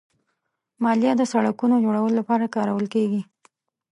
مالیه د سړکونو جوړولو لپاره کارول کېږي.